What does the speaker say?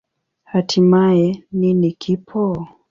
Hatimaye, nini kipo?